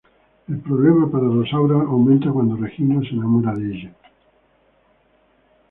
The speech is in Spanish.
El problema para Rosaura aumenta cuando Regino se enamora de ella.